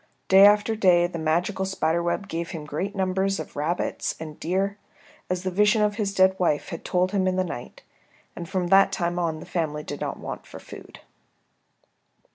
Day after day the magical spider web gave him great numbers of rabbits and deer, as the vision of his dead wife had told him in the night, and from that time on the family did not want for food.